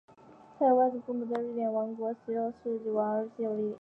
他的外祖父母是瑞典国王卡尔十六世及王后西尔维娅。